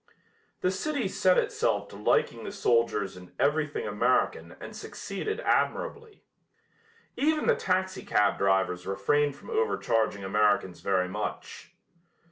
The city set itself to liking the soldiers and everything American and succeeded admirably. Even the taxicab drivers refrained from overcharging Americans very much.